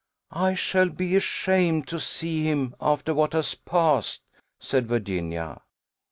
"I shall be ashamed to see him after what has passed," said Virginia.